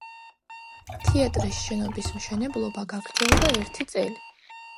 თეატრის შენობის მშენებლობა გაგრძელდა ერთი წელი.